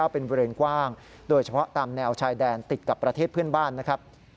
เป็นบริเวณกว้างโดยเฉพาะตามแนวชายแดนติดกับประเทศเพื่อนบ้านนะครับ